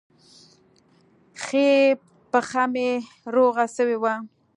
ښۍ پښه مې روغه سوې وه.